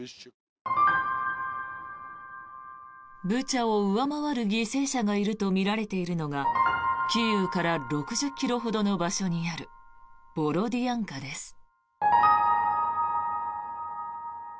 ブチャを上回る犠牲者がいるとみられているのがキーウから６０ｋｍほどの場所にあるボロディアンカです。